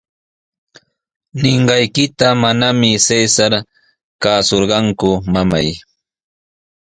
Ninqaykita manami Cesar kaasurqanku, mamay.